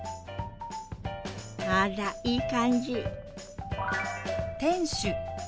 あらいい感じ！